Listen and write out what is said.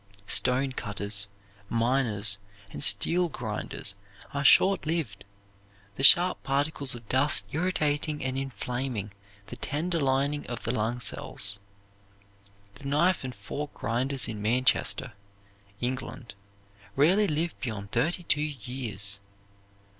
Stone cutters, miners, and steel grinders are short lived, the sharp particles of dust irritating and inflaming the tender lining of the lung cells. The knife and fork grinders in Manchester, England, rarely live beyond thirty two years.